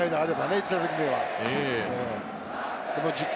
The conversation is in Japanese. １打席目はね。